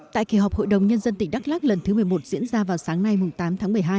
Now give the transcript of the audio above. tại kỳ họp hội đồng nhân dân tỉnh đắk lắc lần thứ một mươi một diễn ra vào sáng nay tám tháng một mươi hai